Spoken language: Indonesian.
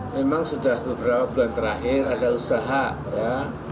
memang sudah beberapa bulan terakhir ada usaha ya